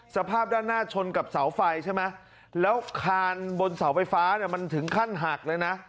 สภาพด้านหน้าชนกับเสาไฟใช่ไหมแล้วคานบนเสาไฟฟ้าเนี่ยมันถึงขั้นหักเลยนะ